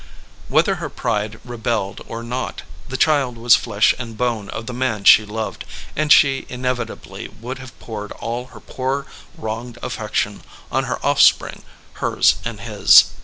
"ViHiether her pride rebelled or not, the child was flesh and bone of the man she loved, and she inevitably would have poured all her poor wronged affection on her offspring — ^hers and his.